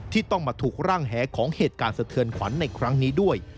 ที่ต้องมาถูกร่างแหของเหตุการณ์สะเทือนขวัญในครั้งนี้ด้วย